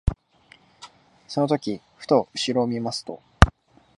その時ふと後ろを見ますと、